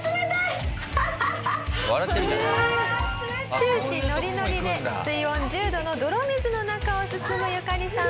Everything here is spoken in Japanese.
「終始ノリノリで水温１０度の泥水の中を進むユカリさん」